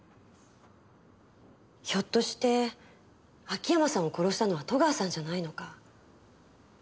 ひょっとして秋山さんを殺したのは戸川さんじゃないのか。